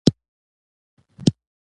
د نړیوالو علمي څېړنو برخه ځوانان دي.